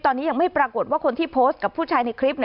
ตอนนี้ยังไม่ปรากฏว่าคนที่โพสต์กับผู้ชายในคลิป